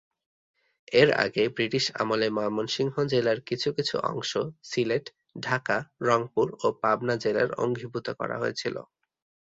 এর আগে ব্রিটিশ আমলে ময়মনসিংহ জেলার কিছু কিছু অংশ সিলেট, ঢাকা, রংপুর ও পাবনা জেলার অঙ্গীভূত করা হয়েছিল।